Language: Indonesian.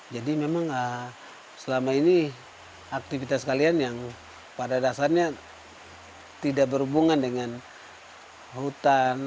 jadi memang selama ini aktivitas kalian yang pada dasarnya tidak berhubungan dengan hutan